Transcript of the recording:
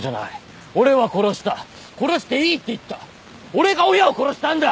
俺が親を殺したんだ！